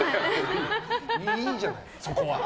いいじゃないそこは。